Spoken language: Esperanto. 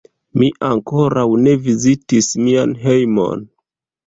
Mi ankoraŭ ne vizitis mian hejmon.